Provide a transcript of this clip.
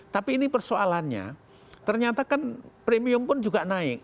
tapi ini persoalannya ternyata kan premium pun juga naik